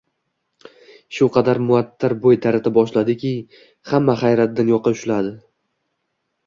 Shu qadar muattar bo’y tarata boshladiki, hamma hayratdan yoqa ushladi!...